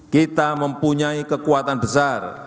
kita mempunyai kekuatan besar